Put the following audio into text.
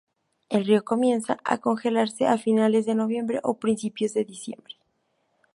El río comienza a congelarse a finales de noviembre o principios de diciembre.